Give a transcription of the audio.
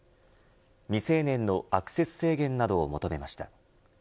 未成年のアクセス制限などを求めました。